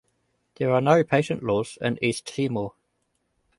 There are no patent laws in East Timor.